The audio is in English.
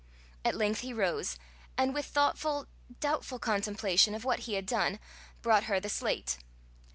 At length he rose, and with thoughtful, doubtful contemplation of what he had done, brought her the slate.